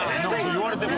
言われても。